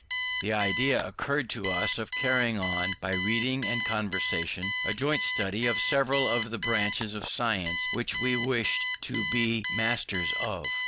The idea occurred to us of carrying on, by reading and conversation, a joint study of several of the branches of science which we wished to be masters of.